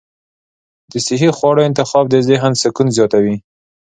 د صحي خواړو انتخاب د ذهن سکون زیاتوي.